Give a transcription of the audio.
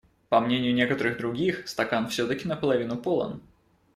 По мнению некоторых других, стакан все-таки на половину полон.